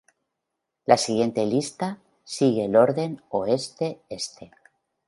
La siguiente lista sigue el orden oeste-este.